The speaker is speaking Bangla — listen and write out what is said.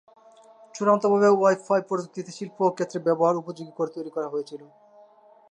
চূড়ান্তভাবে ওয়াই ফাই প্রযুক্তিকে শিল্প ক্ষেত্রে ব্যবহার উপযোগী করে তৈরি করা হয়েছিল।